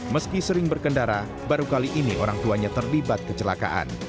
meski sering berkendara baru kali ini orang tuanya terlibat kecelakaan